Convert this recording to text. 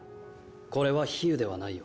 これは比喩ではないよ。